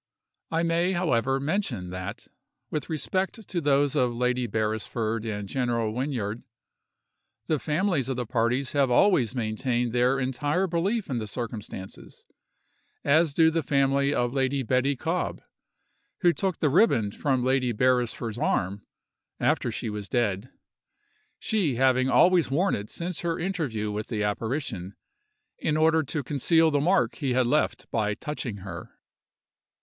I may, however, mention that, with respect to those of Lady Beresford and General Wynyard, the families of the parties have always maintained their entire belief in the circumstances; as do the family of Lady Betty Cobb, who took the riband from Lady Beresford's arm, after she was dead—she having always worn it since her interview with the apparition, in order to conceal the mark he had left by touching her.